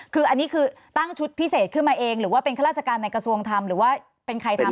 คืออันนี้คือตั้งชุดพิเศษขึ้นมาเองหรือว่าเป็นข้าราชการในกระทรวงทำหรือว่าเป็นใครทำ